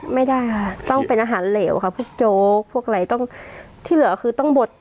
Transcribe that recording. ไม่ได้ค่ะต้องเป็นอาหารเหลวค่ะพวกโจ๊กพวกอะไรต้องที่เหลือคือต้องบด